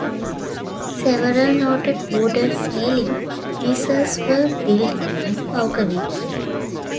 Several noted wooden sailing vessels were built in Pukavik.